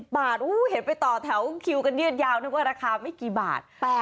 ๘๖๙๐บาทอุ๊ยเห็นไปต่อแถวคิวกันเนี่ยยาวนึกว่าราคาไม่กี่บาท